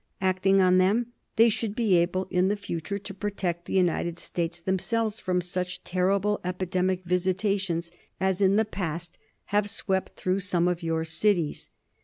Acting on them they should be able in the future to protect the United States themselves from such terrible epidemic visitations as in the past have swept through some of your cities.